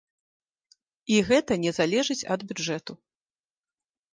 І гэта не залежыць ад бюджэту.